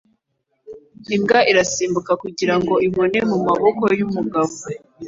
Imbwa irasimbuka kugirango ibone mumaboko yumugabo